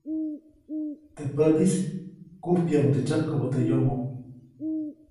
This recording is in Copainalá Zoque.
Teʼ päʼnis, kujpyäʼuŋde tsyäjkubä teʼ yomoʼ.